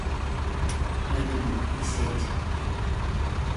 'I wouldn't,' he said.